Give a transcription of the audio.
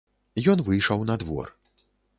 Ён выйшаў на двор.